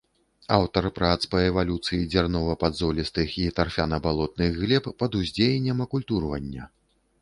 Аўтар прац па эвалюцыі дзярнова-падзолістых і тарфяна-балотных глеб пад уздзеяннем акультурвання.